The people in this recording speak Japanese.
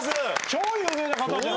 超有名な方じゃ。